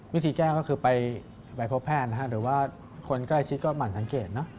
วิธีแจ้งก็คือไปพบแพทย์หรือว่าคนใกล้ชิดก็หมั่นสังเกตเนอะ